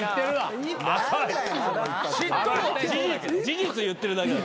事実言ってるだけ。